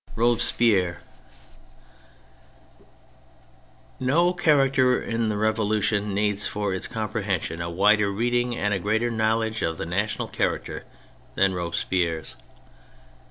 ^ ROBESPIERRE No character in the Revolution needs for its comprehension a wider reading and a greater knowledge of the national character than Robespierre's.